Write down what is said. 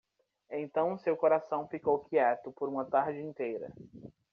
Então seu coração ficou quieto por uma tarde inteira.